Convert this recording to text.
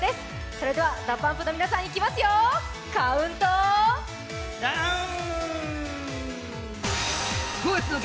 それではＤＡＰＵＭＰの皆さんいきますよ、ダウン！